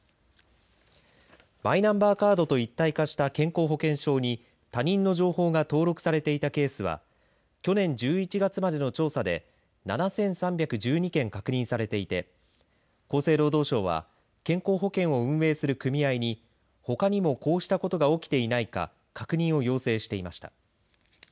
マイナンバーカードと一体化した健康保険証に他人の情報が登録されていたケースは去年１１月までの調査で７３１２件確認されていて厚生労働省は健康保険を運営する組合にほかにもこうしたことが起きていないか確認を要請していました。